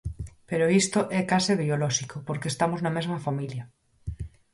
Pero isto é case biolóxico, porque estamos na mesma familia.